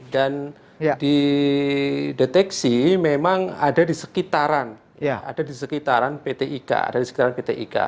dan dideteksi memang ada di sekitaran pt ika